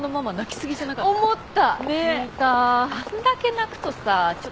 あんだけ泣くとさちょっとこっちもさ。